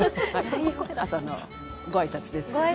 朝のご挨拶です。